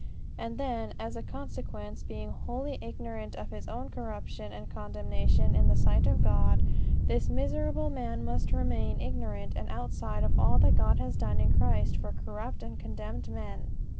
And then, as a consequence, being wholly ignorant of his own corruption and condemnation in the sight of God, this miserable man must remain ignorant and outside of all that God has done in Christ for corrupt and condemned men.